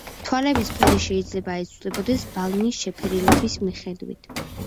თვალების ფერი შეიძლება იცვლებოდეს ბალნის შეფერილობის მიხედვით.